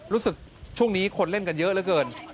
รู้สึกช่วงนี้คนเล่นกันเยอะเหลือเกิน